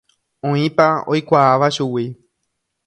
Oĩpa oikuaáva chugui.